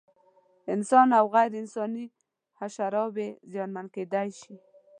انسان او غیر انساني حشراوې زیانمن کېدای شي.